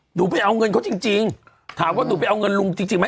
หนูไปเอาเงินเขาจริงจริงถามว่าหนูไปเอาเงินลุงจริงจริงไหม